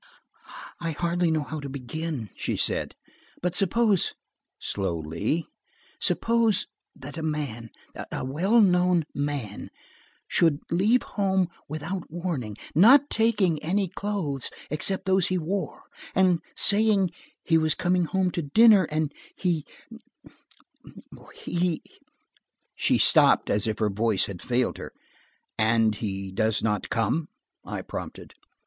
"I hardly know how to begin," she said, "but suppose"–slowly–"suppose that a man, a well known man, should leave home without warning, not taking any clothes except those he wore, and saying he was coming home to dinner, and he–he–" She stopped as if her voice had failed her. "And he does not come?" I prompted.